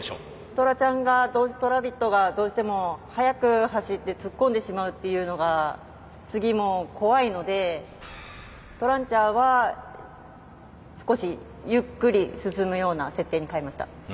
トラちゃん側とラビットがどうしても速く走って突っ込んでしまうっていうのが次も怖いのでトランチャーは少しゆっくり進むような設定に変えました。